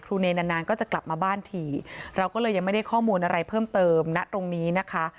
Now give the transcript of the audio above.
เนรนานนานก็จะกลับมาบ้านทีเราก็เลยยังไม่ได้ข้อมูลอะไรเพิ่มเติมณตรงนี้นะคะ